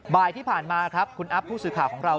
บ่ายที่ผ่านมาครับคุณอัพผู้สื่อข่าวของเรา